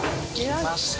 きました。